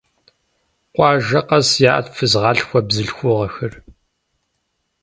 Къуажэ къэс яӏэт фызгъалъхуэ бзылъхугъэхэр.